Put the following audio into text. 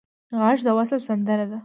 غږ د وصل سندره ده